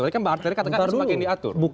tadi kan mbak artelika katakan semakin diatur